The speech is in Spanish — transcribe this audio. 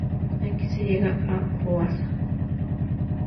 Aquí se llega a Proaza.